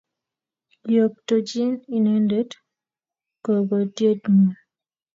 Iyoktochin inendet kagotyet nyu.